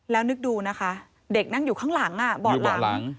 แล้วนึกดูนะคะเด็กนั่งอยู่ข้างหลังเบาะหลัง